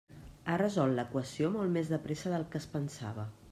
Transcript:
Ha resolt l'equació molt més de pressa del que es pensava.